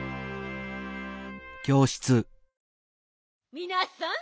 みなさん